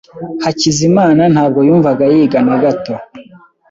Hakizimana ntabwo yumvaga yiga na gato.